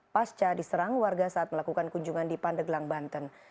pasca diserang warga saat melakukan kunjungan di pandeglang banten